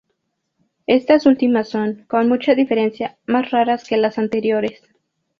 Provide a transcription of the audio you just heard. Estas últimas son, con mucha diferencia, más raras que las anteriores.